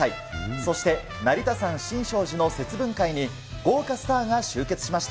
そして成田山新勝寺の節分会に豪華スターが集結しました。